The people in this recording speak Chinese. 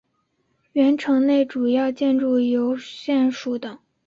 原城内主要建筑有县署等。